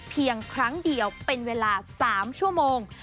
เพียงครั้งเดียวเป็นเวลา๓ชั่วโมง